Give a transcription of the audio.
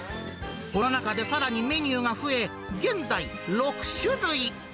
コロナ禍でさらにメニューが増え、現在６種類。